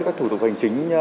các thủ tục hành chính